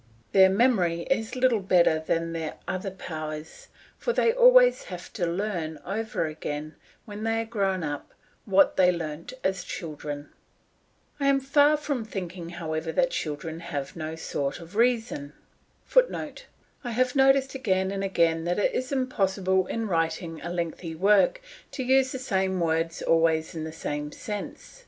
Their memory is little better than their other powers, for they always have to learn over again, when they are grown up, what they learnt as children. I am far from thinking, however, that children have no sort of reason. [Footnote: I have noticed again and again that it is impossible in writing a lengthy work to use the same words always in the same sense.